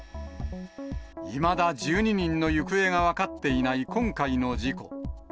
いまだ１２人の行方が分かっていない今回の事故。